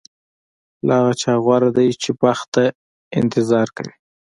له هغه چا غوره دی چې بخت ته انتظار کوي.